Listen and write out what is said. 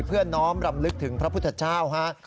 เพื่อน้อมรำลึกถึงพระพุทธเจ้าฮะ